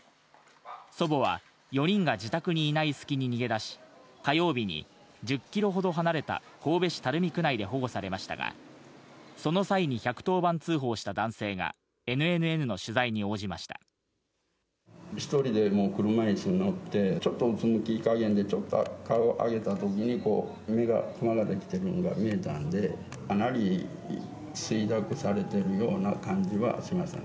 祖母は４人が自宅にいない隙に逃げ出し、火曜日に１０キロほど離れた、神戸市垂水区内で保護されましたが、その際に１１０番通報した男性が、１人でもう、車いすに乗って、ちょっとうつむき加減で、ちょっと顔を上げたときに、目がくまができてるのが見えたんで、かなり衰弱されてるような感じはしました。